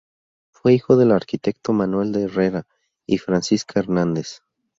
Fue hijo del arquitecto Manuel de Herrera y Francisca Hernández.